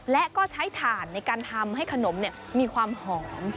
และก็ใช้ถ่านในการทำให้ขนมมีความหอม